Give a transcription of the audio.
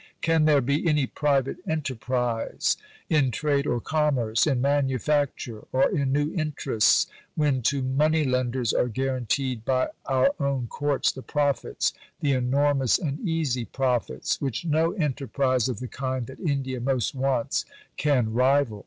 Can there be any private enterprise in trade or commerce, in manufacture, or in new interests, when to money lenders are guaranteed by our own Courts the profits, the enormous and easy profits, which no enterprise of the kind that India most wants can rival?